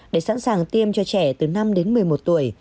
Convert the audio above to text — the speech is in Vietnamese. để sẵn sàng tiêm cho trẻ từ năm đến một mươi một tuổi